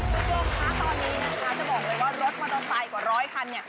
คุณผู้ชมคะตอนนี้นะคะจะบอกเลยว่ารถมอเตอร์ไซค์กว่าร้อยคันเนี่ย